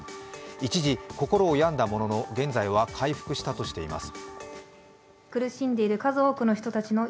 一時、心を病んだものの現在は回復したとしています。